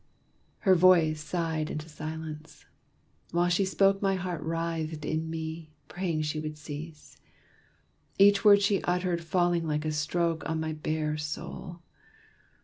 Her voice sighed into silence. While she spoke My heart writhed in me, praying she would cease Each word she uttered falling like a stroke On my bare soul.